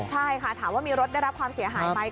ใช่ค่ะถามว่ามีรถได้รับความเสียหายไหม